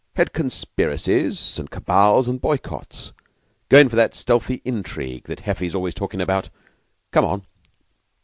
"Head conspiracies and cabals and boycotts. Go in for that 'stealthy intrigue' that Heffy is always talkin' about. Come on!"